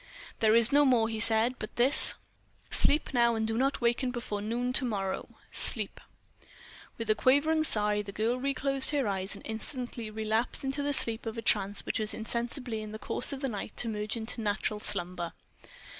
"There is no more," he said, "but this: Sleep now, and do not waken before noon to morrow—sleep!" With a quavering sigh, the girl reclosed her eyes and instantly relapsed into the sleep of trance which was insensibly in the course of the night to merge into natural slumber.